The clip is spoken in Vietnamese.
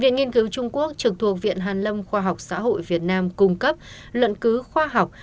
viện nghiên cứu trung quốc trực thuộc viện hàn lâm khoa học xã hội việt nam cung cấp luận cứu khoa học